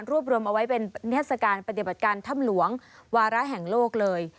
รวมเอาไว้เป็นนิทัศกาลปฏิบัติการถ้ำหลวงวาระแห่งโลกเลย